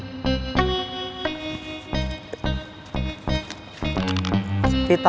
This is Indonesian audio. eh aku melihat ini juga